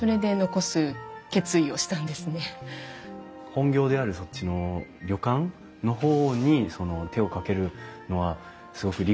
本業であるそっちの旅館の方に手を掛けるのはすごく理解できるんですよ。